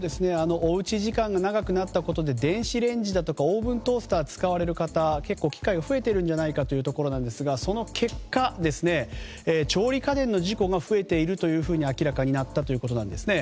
おうち時間が長くなったことで電子レンジやオーブントースターを使われる方結構、機会が増えているのではないかというところですが、その結果調理家電の事故が増えていることが明らかになったということです。